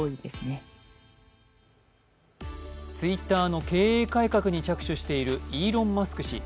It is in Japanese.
Ｔｗｉｔｔｅｒの経営改革に着手しているイーロン・マスク氏。